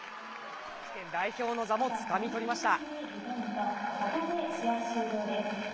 世界選手権代表の座もつかみ取りました。